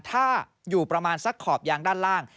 ถ้าอยู่ประมาณสักขอบยางด้านล่าง